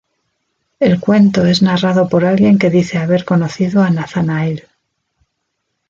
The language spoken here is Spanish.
El cuento es narrado por alguien que dice haber conocido a Nathanael.